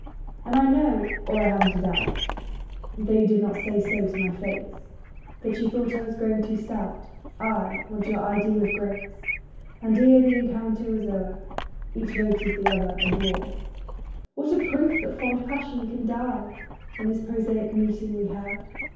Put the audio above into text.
And I know (or I haven't a doubt) Though you did not say so to my face, That you thought I was growing too stout: I, once your ideal of grace. And ere the encounter was o'er Each voted the other a bore. What a proof that fond passion can die, In this prosaic meeting we had!